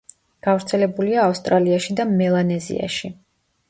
გავრცელებულია ავსტრალიაში და მელანეზიაში.